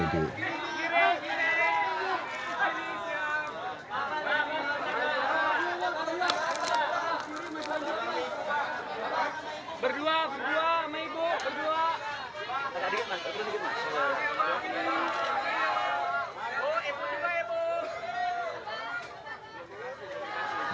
berdua berdua sama ibu berdua